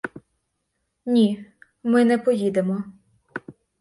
Ні, ми не поїдемо.